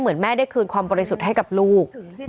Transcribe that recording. ก็เป็นสถานที่ตั้งมาเพลงกุศลศพให้กับน้องหยอดนะคะ